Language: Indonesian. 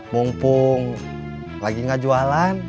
mumpung lagi enggak jualan